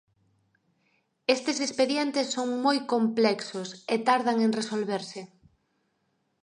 Estes expedientes son moi complexos e tardan en resolverse.